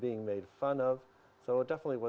dan kemudian kamu kehilangnya